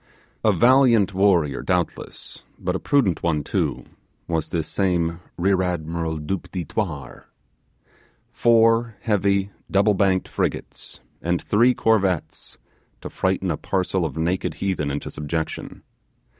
A valiant warrior doubtless, but a prudent one too, was this same Rear Admiral Du Petit Thouars. Four heavy, doublebanked frigates and three corvettes to frighten a parcel of naked heathen into subjection!